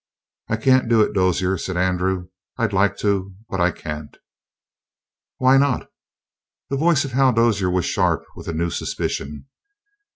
"I can't do it, Dozier," said Andrew. "I'd like to. But I can't!" "Why not?" The voice of Hal Dozier was sharp with a new suspicion.